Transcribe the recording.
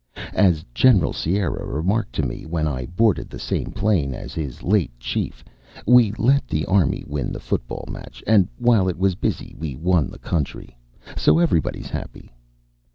A S General Sierra remarked to ■■ me, when I boarded the same plane as his late chief, "We let the Army win the football match, and while it was busy, we won the country. So everybody's happy."